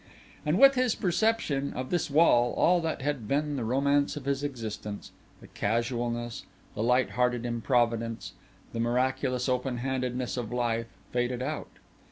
And with his perception of this wall all that had been the romance of his existence, the casualness, the light hearted improvidence, the miraculous open handedness of life faded out.